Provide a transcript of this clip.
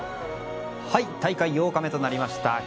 大会８日目となりました。